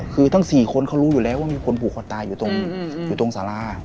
คือทั้ง๔คนเขารู้อยู่แล้วว่ามีคนผูกคอตายอยู่ตรงสารา